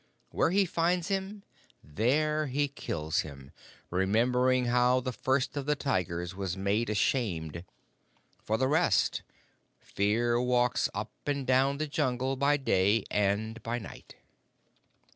Where he finds him, there he kills him, remembering how the First of the Tigers was made ashamed. For the rest, Fear walks up and down the Jungle by day and by night."